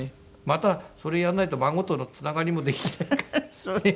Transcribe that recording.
またそれやらないと孫とのつながりもできないから。